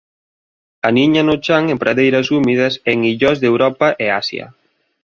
Aniña no chan en pradeiras húmidas e en illós de Europa e Asia.